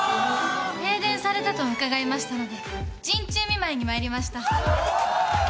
停電されたと伺いましたので陣中見舞いに参りました。